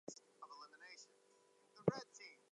He was born in Tostock Suffolk.